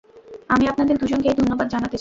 আমি আপনাদের দুজনকেই ধন্যবাদ জানাতে চাই।